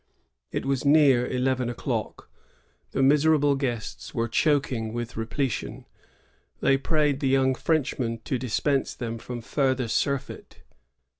It was near eleven o'clock. The miserable guest9 were choking with repletion. They prayed the young Frenchman to dispense them from further surfeit.